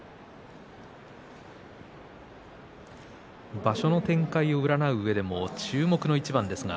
場所の展開を占う意味でも注目の一番です。